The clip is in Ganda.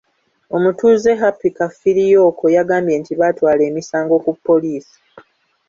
Omutuuze Happy Kafiriyooko yagambye nti baatwala emisango ku poliisi.